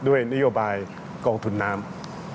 ด้วยนโยบายกองทุนน้ำ